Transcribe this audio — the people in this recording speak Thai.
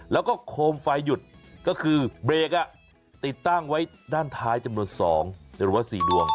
แล้วก็โคมไฟหยุดก็คือเบรกติดตั้งไว้ด้านท้ายจำนวน๒หรือว่า๔ดวง